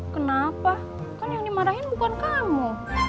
kenapa kan yang dimarahin bukan kamu